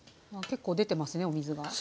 結構出てますねお水が。